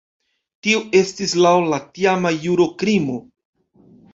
Tio estis laŭ la tiama juro krimo.